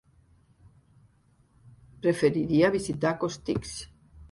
Preferiria visitar Costitx.